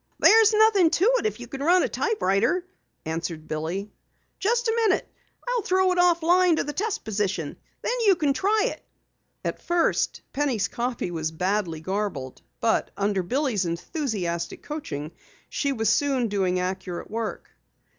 "There's nothing to it if you can run a typewriter," answered Billy. "Just a minute, I'll throw it off the line on to the test position. Then you can try it." At first Penny's copy was badly garbled, but under Billy's enthusiastic coaching she was soon doing accurate work.